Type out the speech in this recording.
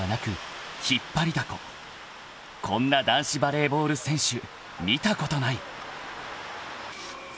［こんな男子バレーボール選手見たことない！］